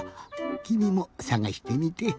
きみもさがしてみて。